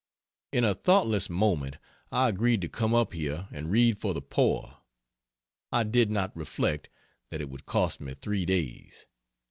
In a thoughtless moment I agreed to come up here and read for the poor. I did not reflect that it would cost me three days.